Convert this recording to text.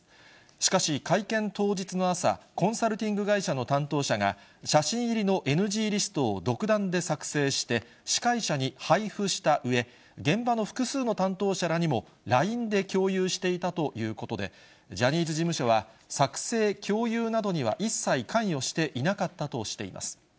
しかし、会見当日の朝、コンサルティング会社の担当者が写真入りのＮＧリストを独断で作成して、司会者に配布したうえ、現場の複数の担当者らにもＬＩＮＥで共有していたということで、ジャニーズ事務所は作成・共有などには一切関与していなかったとしています。